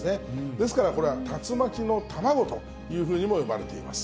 ですからこれは、竜巻の卵というふうにも呼ばれています。